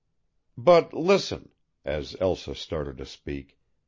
"But listen!" as Elsa started to speak.